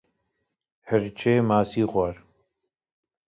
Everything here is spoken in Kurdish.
Hirçê masî xwar